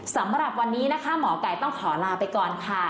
สำหรับวันนี้นะคะหมอไก่ต้องขอลาไปก่อนค่ะ